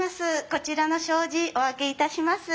こちらの障子お開けいたします。